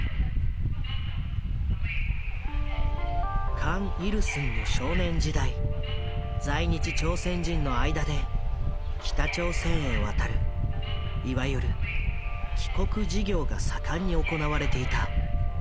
カン・イルスンの少年時代在日朝鮮人の間で北朝鮮へ渡るいわゆる「帰国事業」が盛んに行われていた。